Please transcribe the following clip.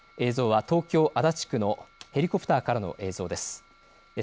映像は東京足立区のヘリコプターからの映像です。